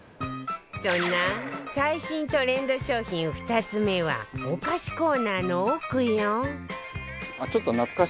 そんな最新トレンド商品２つ目はお菓子コーナーの奥よ